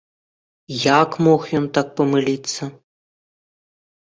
Як мог ён так памыліцца?